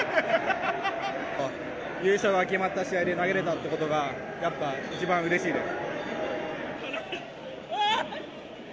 優勝が決まった試合で投げれたことが一番うれしいです。